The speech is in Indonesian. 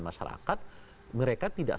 masyarakat mereka tidak